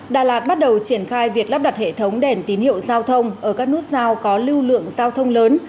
đà lạt bắt đầu triển khai việc lắp đặt hệ thống đèn tín hiệu giao thông ở các nút giao có lưu lượng giao thông lớn